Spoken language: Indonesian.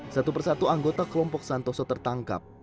satu persatu anggota kelompok santoso tertangkap